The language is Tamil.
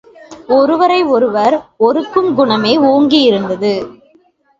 ஒருவரை ஒருவர் ஒறுக்கும் குணமே ஓங்கி இருந்தது.